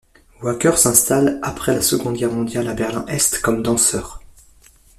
Wacker s'installe après la Seconde Guerre mondiale à Berlin-Est comme danseur.